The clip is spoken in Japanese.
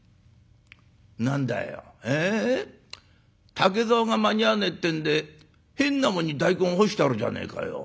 竹ざおが間に合わねえってんで変なもんに大根干してあるじゃねえかよ。